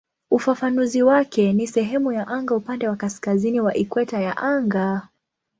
Ufafanuzi wake ni "sehemu ya anga upande wa kaskazini wa ikweta ya anga".